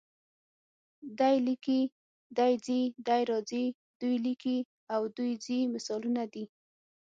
دی لیکي، دی ځي، دی راځي، دوی لیکي او دوی ځي مثالونه دي.